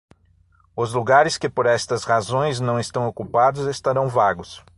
Os lugares que por estas razões não estão ocupados estarão vagos.